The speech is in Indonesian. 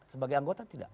sebagai anggota tidak